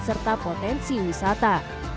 serta potensi wisata